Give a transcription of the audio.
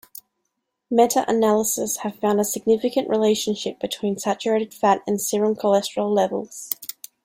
Meta-analyses have found a significant relationship between saturated fat and serum cholesterol levels.